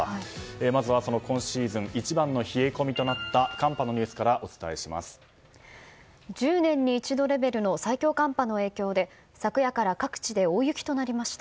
まずはその今シーズン一番の冷え込みとなった寒波のニュースから１０年に一度レベルの最強寒波の影響で昨夜から各地で大雪となりました。